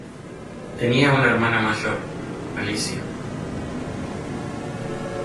Tenía una hermana mayor, Alicia.